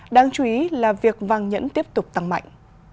đáng chú ý là việc vàng nhẫn tiếp tục tăng mạnh